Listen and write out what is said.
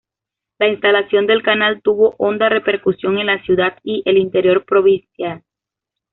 La instalación del canal tuvo honda repercusión en la ciudad y el interior provincial.